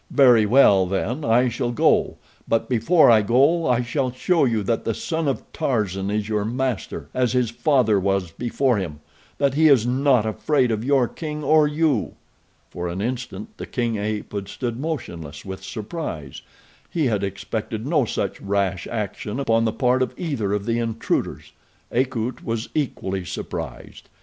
Very well, then, I shall go; but before I go I shall show you that the son of Tarzan is your master, as his father was before him—that he is not afraid of your king or you." For an instant the king ape had stood motionless with surprise. He had expected no such rash action upon the part of either of the intruders. Akut was equally surprised.